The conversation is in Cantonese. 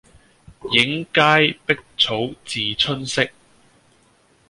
映階碧草自春色